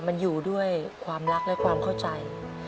มันอยู่ด้วยความรักและความเข้าใจ